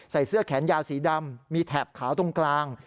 เสื้อแขนยาวสีดำมีแถบขาวตรงกลาง